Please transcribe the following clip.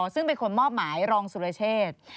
ซึ่งเป็นคนมอบหมายรองสุรเชษ